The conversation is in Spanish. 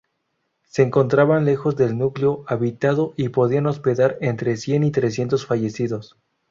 Se encontraban lejos del núcleo habitado y podían hospedar entre cien y trescientos fallecidos.